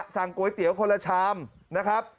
สั่งก๋วยเตี๋ยวคนละชามนะครับ